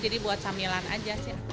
jadi buat camilan aja sih